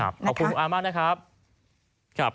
ขอบคุณคุณอามากนะครับ